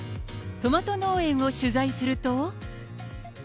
トマト農園を取材すると。